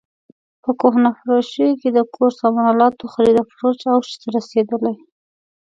په کهنه فروشیو کې د کور سامان الاتو خرید او فروش اوج ته رسېدلی.